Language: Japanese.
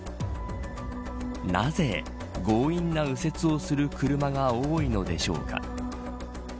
なぜ強引な右折をする車が多いのでしょうか。